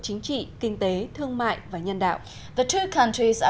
chính trị kinh tế thương mại và nhân đạo